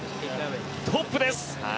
トップです。